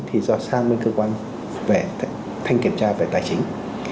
thì do sang bên cơ quan về thanh kiểm tra về tài chính